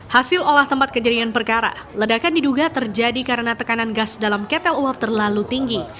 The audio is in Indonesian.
hasil olah tempat kejadian perkara ledakan diduga terjadi karena tekanan gas dalam ketel uap terlalu tinggi